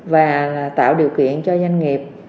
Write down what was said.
và tạo điều kiện cho doanh nghiệp